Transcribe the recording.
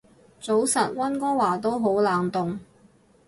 早晨，溫哥華都好冷凍